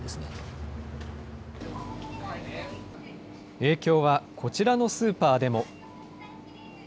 影響はこちらのスーパーでも。